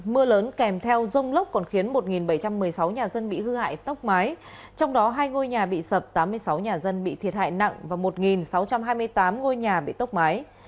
mưa lớn kèm theo rông lốc còn khiến một bảy trăm một mươi sáu nhà dân bị hư hại tóc mái trong đó hai ngôi nhà bị sập tám mươi sáu nhà dân bị thiệt hại nặng và một sáu trăm hai mươi tám ngôi nhà bị tốc mái